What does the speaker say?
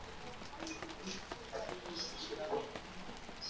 Ku musozi w i karumeli kandi abahanuzi